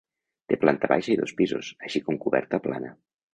Té planta baixa i dos pisos, així com coberta plana.